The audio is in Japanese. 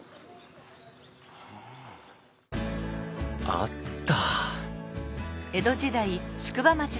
あった！